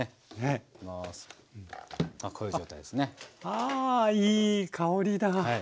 あぁいい香りだ。